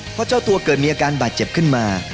เพราะเจ้าตัวเกิดมีอาการบาดเจ็บขึ้นมา